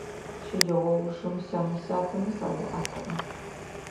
Щэджэгъоужым сянэ-сятэмэ садэӀэпыӀэ.